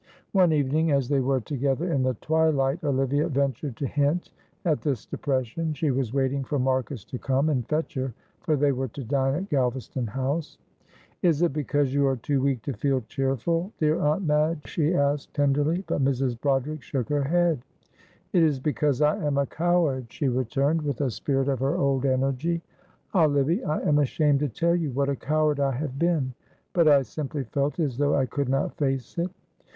One evening, as they were together in the twilight, Olivia ventured to hint at this depression; she was waiting for Marcus to come and fetch her, for they were to dine at Galvaston House. "Is it because you are too weak to feel cheerful, dear Aunt Madge?" she asked, tenderly; but Mrs. Broderick shook her head. "It is because I am a coward," she returned, with a spirit of her old energy. "Ah, Livy, I am ashamed to tell you what a coward I have been; but I simply felt as though I could not face it.